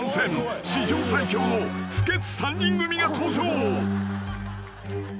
［史上最強の不潔３人組が登場］